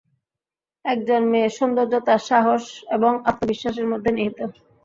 একজন মেয়ের সৌন্দর্য তার সাহস এবং আত্মবিশ্বাসের মধ্যে নিহিত।